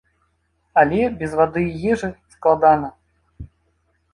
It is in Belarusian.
Але без вады і ежы складана.